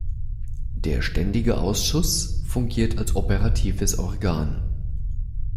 Der Ständige Ausschuss fungiert als operatives Organ.